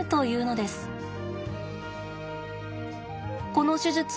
この手術